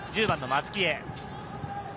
１０番の松木へ。